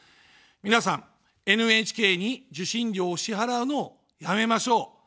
皆さん、ＮＨＫに受信料を支払うのをやめましょう。